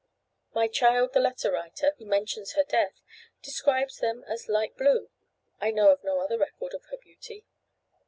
'My child, the letter writer, who mentions her death, describes them as light blue. I know of no other record of her beauty.